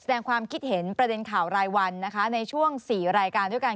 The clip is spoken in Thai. แสดงความคิดเห็นประเด็นข่าวรายวันนะคะในช่วง๔รายการด้วยกัน